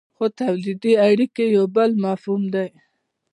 خو تولیدي اړیکې یو بل مفهوم دی.